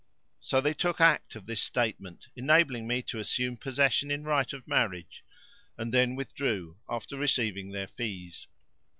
So they took act of this statement enabling me to assume possession in right of marriage; and then withdrew, after receiving their fees.